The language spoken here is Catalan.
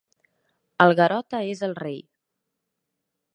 El Garota és el rei.